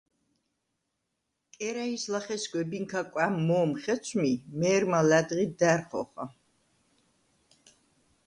კერა̈ჲს ლახე სგვებინქა კვა̈მ მო̄მ ხეცვმი, მე̄რმა ლა̈დღი და̈რ ხოხა.